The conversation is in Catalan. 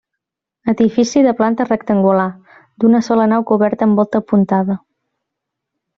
Edifici de planta rectangular, d'una sola nau coberta amb volta apuntada.